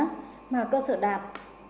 mà cơ sở đạp